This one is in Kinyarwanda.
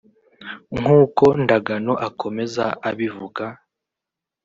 nk’uko Ndagano akomeza abivuga